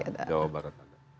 ada jawa barat ada